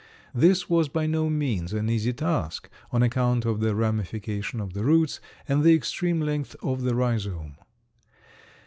This was by no means an easy task on account of the ramification of the roots and the extreme length of the rhizome.